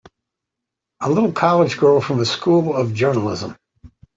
A little college girl from a School of Journalism!